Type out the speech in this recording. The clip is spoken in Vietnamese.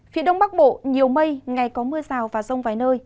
phía đông bắc bộ nhiều mây ngày có mưa rào và rông vài nơi